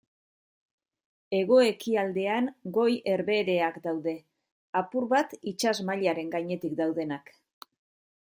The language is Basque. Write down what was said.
Hego-ekialdean Goi Herbehereak daude, apur bat itsas mailaren gainetik daudenak.